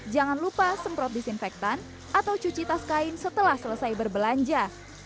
jangan lupa semprot disinfektan atau cuci tas kain setelah selesai berbelanja